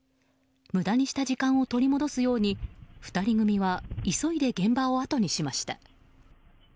無駄にした時間を取り戻すように２人組は急いで現場をあとにしました。